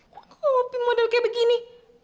ya kopi model kayak begini